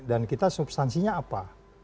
dan kita substansinya apa